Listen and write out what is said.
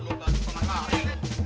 lu gak suka masalah ini